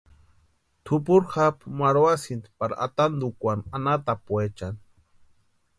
Tupuri japu marhuasïnti pari atantukwani anhatapuchani.